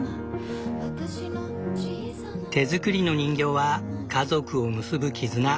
手作りの人形は家族を結ぶ絆。